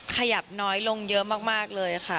ขยับน้อยลงเยอะมากเลยค่ะ